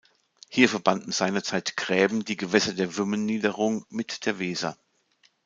Hier verbanden seinerzeit Gräben die Gewässer der Wümmeniederung mit der Weser.